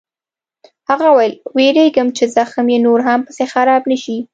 هغه وویل: وېرېږم چې زخم یې نور هم پسې خراب نه شي.